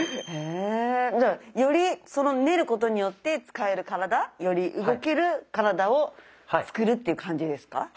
じゃあより練ることによって使える体より動ける体を作るっていう感じですか？